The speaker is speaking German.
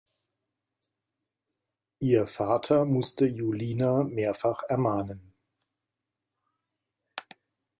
Ihr Vater musste Julina mehrfach ermahnen.